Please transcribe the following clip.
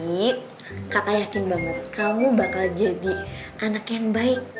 ini kakak yakin banget kamu bakal jadi anak yang baik